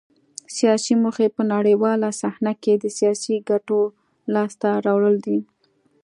سیاسي موخې په نړیواله صحنه کې د سیاسي ګټو لاسته راوړل دي